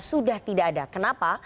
sudah tidak ada kenapa